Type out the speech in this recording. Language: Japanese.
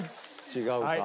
違うか。